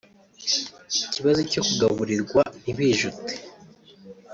Ikibazo cyo kugaburirwa ntibijute